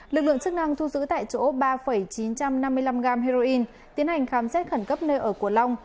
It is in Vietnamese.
lực lượng chức năng thu giữ tại chỗ ba chín trăm năm mươi năm g heroin tiến hành khám xét khẩn cấp nơi ở của long